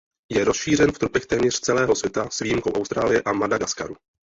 Je rozšířen v tropech téměř celého světa s výjimkou Austrálie a Madagaskaru.